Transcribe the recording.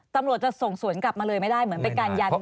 ตำรวจจะส่งสวนกลับมาเลยไม่ได้เหมือนเป็นการยัน